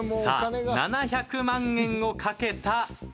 さあ７００万円を懸けた